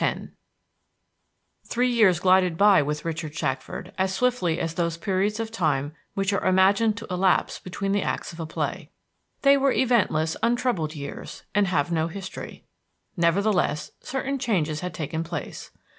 X Three years glided by with Richard Shackford as swiftly as those periods of time which are imagined to elapse between the acts of a play. They were eventless, untroubled years, and have no history. Nevertheless, certain changes had taken place.